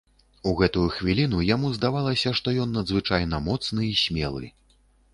У гэтую хвіліну яму здавалася, што ён надзвычайна моцны і смелы.